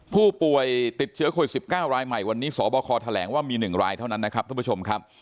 ผู้ป่วยติดเชื้อโควิด๑๙รายใหม่วันนี้สบคแถลงว่ามี๑รายเท่านั้นนะครับท่านผู้ชมครับ